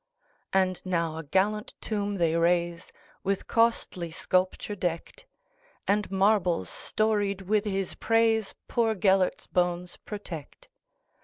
And now a gallant tomb they raise, With costly sculpture decked; And marbles storied with his praisePoor Gêlert's bones protect.